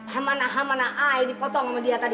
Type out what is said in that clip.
hamana hamana air dipotong sama dia tadi